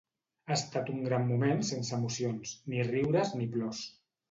Ha estat un gran moment sense emocions, ni riures ni plors.